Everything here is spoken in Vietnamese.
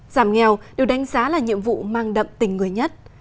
giảm nghèo được đánh giá là nhiệm vụ mang đậm tình người nhất